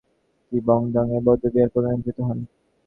তিনি বো-দোং-এ বৌদ্ধবিহারের প্রধান নির্বাচিত হন।